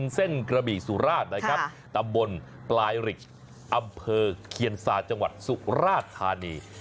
เส้นกระบี่สุราชนะครับตำบลปลายริกอำเภอเคียนซาจังหวัดสุราธานี